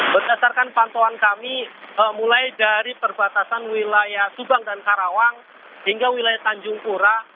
berdasarkan pantauan kami mulai dari perbatasan wilayah subang dan karawang hingga wilayah tanjung pura